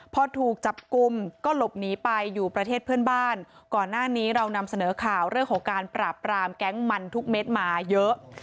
พอถูกจับกลุ่มก็หลบหนีไปอยู่ประเทศเพื่อนบ้านก่อนหน้านี้เรานำเสนอข่าวเรื่องของการปราบปรามแก๊งมันทุกเม็ดมาเยอะ